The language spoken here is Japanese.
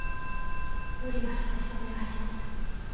無理は承知でお願いします。